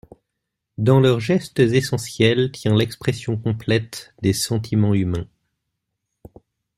Dans leurs gestes essentiels tient l'expression complète des sentiments humains.